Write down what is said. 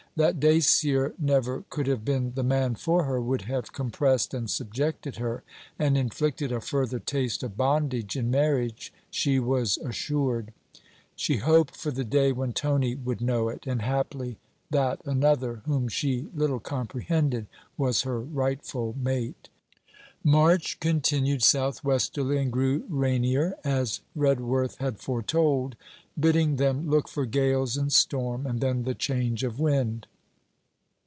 That Dacier never could have been the man for her, would have compressed and subjected her, and inflicted a further taste of bondage in marriage, she was assured. She hoped for the day when Tony would know it, and haply that another, whom she little comprehended, was her rightful mate. March continued South westerly and grew rainier, as Redworth had foretold, bidding them look for gales and storm, and then the change of wind.